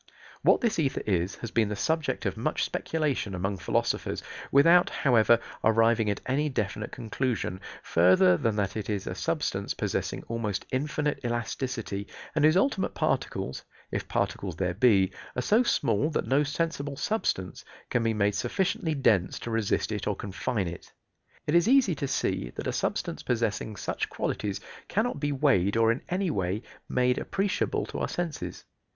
What this ether is, has been the subject of much speculation among philosophers, without, however, arriving at any definite conclusion, further than that it is a substance possessing almost infinite elasticity, and whose ultimate particles, if particles there be, are so small that no sensible substance can be made sufficiently dense to resist it or confine it. It is easy to see that a substance possessing such qualities cannot be weighed or in any way made appreciable to our senses.